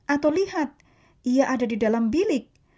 atau lihat ia ada di dalam bilik